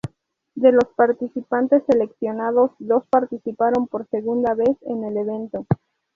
De los participantes seleccionados, dos participaron por segunda vez en el evento.